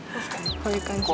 こういう感じだね。